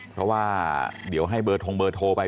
เพราะว่าเดี๋ยวให้เบอร์ทงเบอร์โทรไป